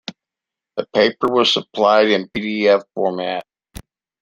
The paper was supplied in pdf format.